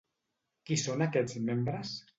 Qui són aquests membres?